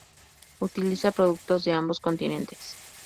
Utiliza productos de ambos continentes.